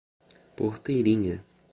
Porteirinha